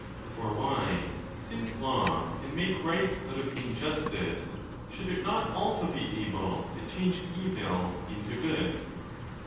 Or why, since law can make right out of injustice, should it not also be able to change evil into good